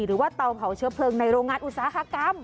เตาเผาเชื้อเพลิงในโรงงานอุตสาหกรรม